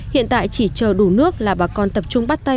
hiện tại chỉ chờ đủ nước là bà con tập trung bắt tay